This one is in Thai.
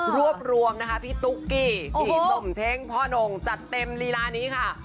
รวบรวมนะคะพี่ตุ๊กกี้พี่สมเช้งพ่อนงจัดเต็มลีลานี้ค่ะ